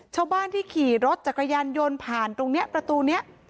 ชาวบ้านที่ขี่รถจักรยานยนต์ผ่านตรงนี้ประตูนี้